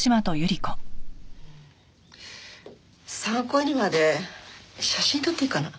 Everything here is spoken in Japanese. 参考にまで写真撮っていいかな？